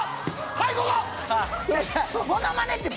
はいここ！